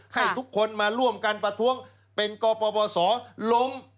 ให้ทุกคนมาร่วมกันประท้วงเป็นกปบสล้ม